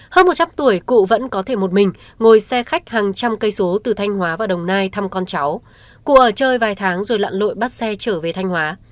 hơn một trăm linh tuổi cụ vẫn có thể một mình ngồi xe khách hàng trăm cây số từ thanh hóa vào đồng nai thăm con cháu cụ ở chơi vài tháng rồi lặn lội bắt xe trở về thanh hóa